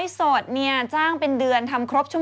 คุณหมอโดนกระช่าคุณหมอโดนกระช่า